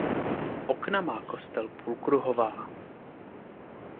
Okna má kostel půlkruhová.